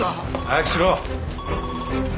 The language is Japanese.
早くしろ。